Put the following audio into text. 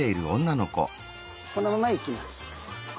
このままいきます。